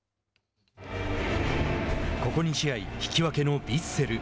ここ２試合引き分けのヴィッセル。